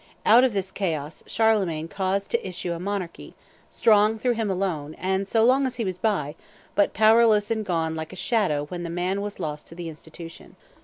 Out of this chaos Charlemagne caused to issue a monarchy, strong through him alone and so long as he was by, but powerless and gone like a shadow when the man was lost to the institution.